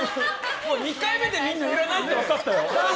２回目でみんな、いらないって分かったよ。